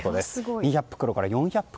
２００袋から４００袋。